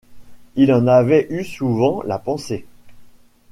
Il en avait eu souvent la pensée.